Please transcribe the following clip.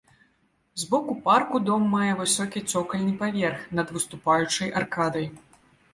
З боку парку дом мае высокі цокальны паверх над выступаючай аркадай.